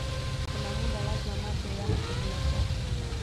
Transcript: Kuna muda lazima macho uyape chakula chake